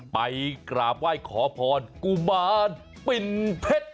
ไปกราบไหว้ขอพรกุมารปิ่นเพชร